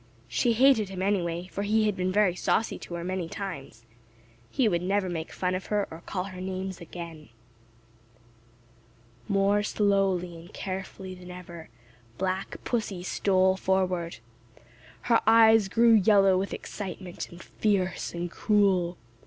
She hated him, anyway, for he had been very saucy to her many times. He would never make fun of her or call her names again. More slowly and carefully than ever, Black Pussy stole forward. Her eyes grew yellow with excitement, and fierce and cruel.